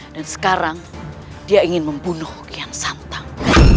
dan sekarang dia ingin membunuh kukian santang